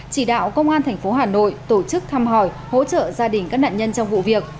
chỉ đạo công an tp hà nội tổ chức thăm hỏi hỗ trợ gia đình các nạn nhân trong vụ việc